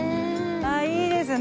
ああいいですね。